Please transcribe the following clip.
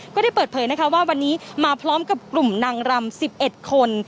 ก็ได้เปิดเผยนะคะว่าวันนี้มาพร้อมกับกลุ่มนางรำ๑๑คน